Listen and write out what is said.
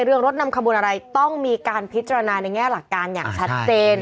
เรื่องรถนำขบวนอะไรต้องมีการพิจารณาในแง่หลักการอย่างชัดเจน